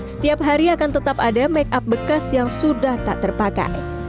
setiap hari akan tetap ada make up bekas yang sudah tak terpakai